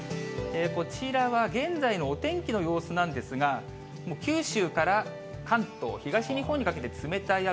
こちらは現在のお天気の様子なんですが、もう九州から関東、東日本にかけて冷たい雨。